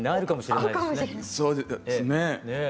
そうですね。